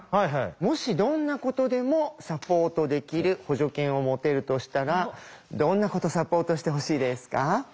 もしどんなことでもサポートできる補助犬を持てるとしたらどんなことサポートしてほしいですか？